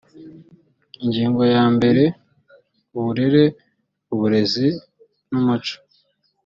ingingo ya mbere uburere uburezi n umuco